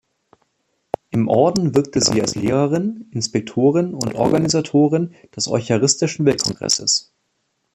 Im Orden wirkte sie als Lehrerin, Inspektorin und Organisatorin des Eucharistischen Weltkongresses.